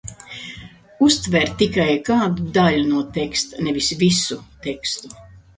Uztver tikai kādu daļu no teksta, nevis visu tekstu.